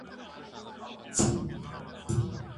ايا ښځه د خپل خاوند د کور مسئولیت لري؟